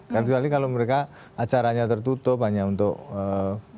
kecuali kalau mereka acaranya tertutup hanya untuk ee